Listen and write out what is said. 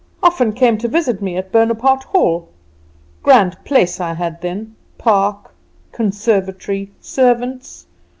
Often came to visit me at Bonaparte Hall. Grand place I had then park, conservatory, servants.